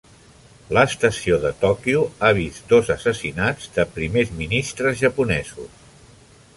L'estació de Tòquio ha vist dos assassinats de primers ministres japonesos.